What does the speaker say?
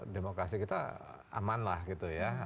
demokrasi kita aman lah gitu ya